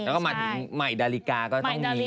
แล้วก็มาถึงใหม่ดาลิกาก็ต้องมี